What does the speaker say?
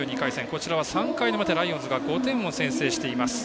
こちらは３回の表ライオンズが５点を先制しています。